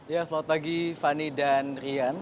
ya selamat pagi fani dan rian